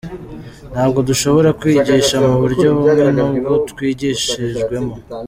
Ntabwo dushobora kwigisha mu buryo bumwe n’ubwo twigishijwemo.